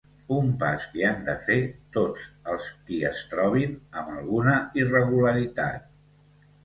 Un pas que han de fer tots els qui es trobin amb alguna irregularitat.